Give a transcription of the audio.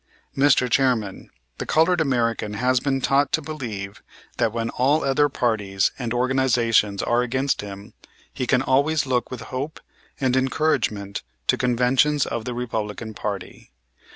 "Mr. Chairman, the colored American has been taught to believe that when all other parties and organizations are against him, he can always look with hope and encouragement to conventions of the Republican party.